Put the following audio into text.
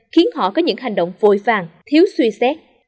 khiến họ có những hành động vội vàng thiếu suy xét